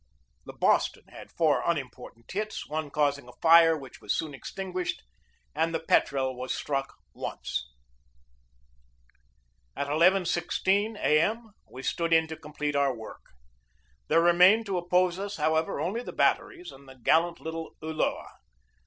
The Boston had four unimportant hits, one causing a fire which was soon extinguished, and the Petrel was struck once. At 11.16 A. M. we stood in to complete our work. There remained to oppose us, however, only the bat teries and the gallant little Ulloa.